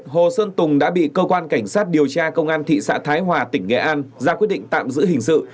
hồ xuân tùng đã bị cơ quan cảnh sát điều tra công an thị xã thái hòa tỉnh nghệ an ra quyết định tạm giữ hình sự